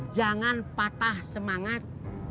jangan patah semangat